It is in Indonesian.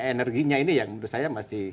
energinya ini yang menurut saya masih